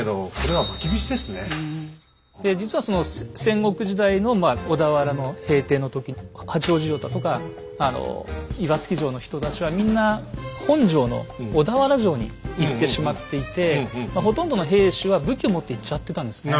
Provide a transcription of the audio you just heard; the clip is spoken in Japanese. で実はその戦国時代の小田原の平定の時に八王子城だとかあの岩槻城の人たちはみんな本城の小田原城に行ってしまっていてまあほとんどの兵士は武器を持って行っちゃってたんですね。